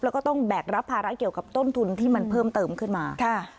แล้วก็ต้องแบกรับภาระเกี่ยวกับต้นทุนที่มันเพิ่มเติมขึ้นมา